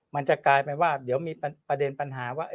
มันจะกลายเป็นว่าเดี๋ยวมีประเด็นปัญหาว่า